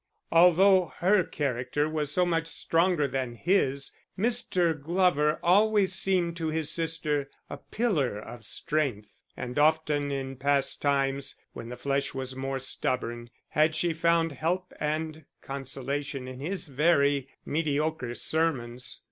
Although her character was so much stronger than his, Mr. Glover always seemed to his sister a pillar of strength; and often in past times, when the flesh was more stubborn, had she found help and consolation in his very mediocre sermons.